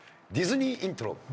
ディズニーイントロ。